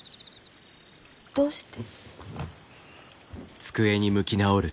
どうして？